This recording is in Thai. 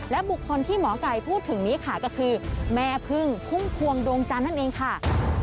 และบุคคลที่หมอไก่พูดถึงนี้ค่ะก็คือแม่พึ่งพุ่มพวงดวงจันทร์นั่นเองค่ะ